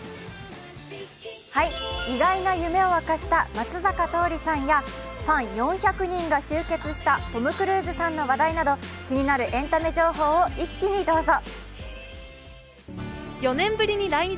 意外な夢を明かした松坂桃李さんやファン４００人が集結したトム・クルーズさんの話題など、気になるエンタメ情報を一気にどうぞ。